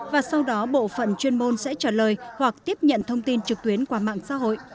và sau đó bộ phận chuyên môn sẽ trả lời hoặc tiếp nhận thông tin trực tuyến qua mạng xã hội